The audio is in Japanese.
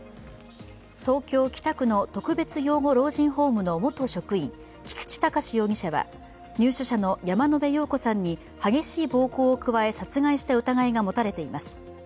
東京・北区の特別養護老人ホームの元職員菊池隆容疑者は入所者の山野辺陽子さんに激しい暴行を加え殺害した疑いが持たれています。